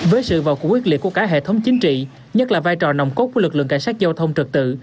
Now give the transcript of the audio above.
với sự vào cuộc quyết liệt của cả hệ thống chính trị nhất là vai trò nồng cốt của lực lượng cảnh sát giao thông trật tự